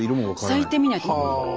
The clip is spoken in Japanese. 咲いてみないと。